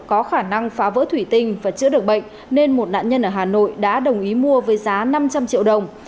có khả năng phá vỡ thủy tinh và chữa được bệnh nên một nạn nhân ở hà nội đã đồng ý mua với giá năm trăm linh triệu đồng